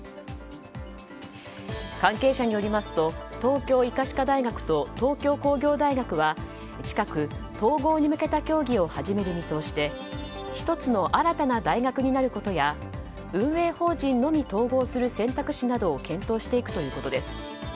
関係者によりますと東京医科歯科大学と東京工業大学は近く統合に向けた協議を始める見通しで１つの新たな大学になることや運営法人のみ統合する選択肢などを検討していくということです。